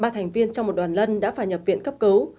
ba thành viên trong một đoàn lân đã phải nhập viện cấp cứu